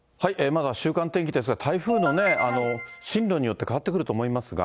まずは週間天気ですが、台風の進路によって変わってくると思いますが。